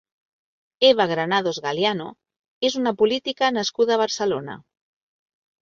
Eva Granados Galiano és una política nascuda a Barcelona.